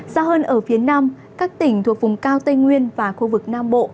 xa hơn ở phía nam các tỉnh thuộc vùng cao tây nguyên và khu vực nam bộ